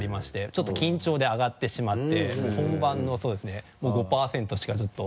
ちょっと緊張であがってしまってもう本番のそうですねもう５％しかちょっと。